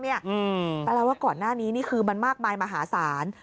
แปลว่าก่อนหน้านี้นี่คือมันมากมายมหาศาล